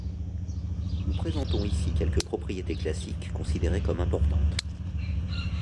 Nous présentons ici quelques propriétés classiques considérées comme importantes.